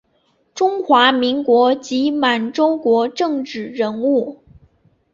中华民国及满洲国政治人物。